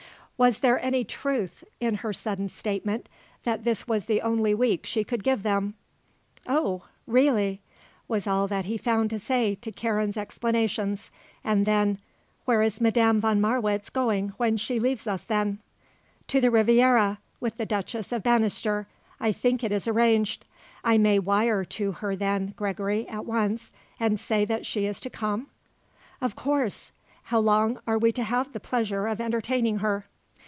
Was there any truth in her sudden statement that this was the only week she could give them? "Oh! Really," was all that he found to say to Karen's explanations, and then, "Where is Madame von Marwitz going when she leaves us then?" "To the Riviera, with the Duchess of Bannister, I think it is arranged. I may wire to her, then, Gregory, at once, and say that she is to come?" "Of course. How long are we to have the pleasure of entertaining her?"